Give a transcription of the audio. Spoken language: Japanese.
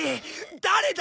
誰だ！？